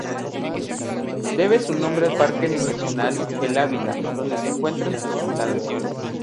Debe su nombre al Parque nacional El Ávila donde se encuentran sus instalaciones.